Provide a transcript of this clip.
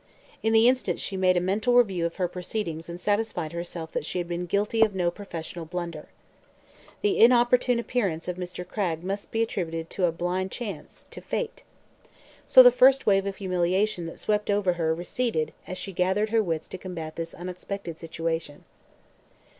In the instant she made a mental review of her proceedings and satisfied herself that she had been guilty of no professional blunder. The inopportune appearance of Mr. Cragg must be attributed to a blind chance to fate. So the first wave of humiliation that swept over her receded as she gathered her wits to combat this unexpected situation.